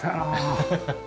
ハハハッ。